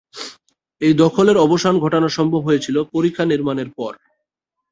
এই দখলের অবসান ঘটানো সম্ভব হয়েছিল পরিখা নির্মাণের পর।